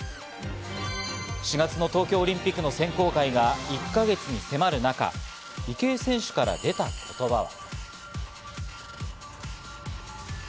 ４月の東京オリンピックの選考会が１か月に迫る中、池江選手から出た言葉は。